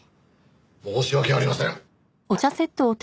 申し訳ありません。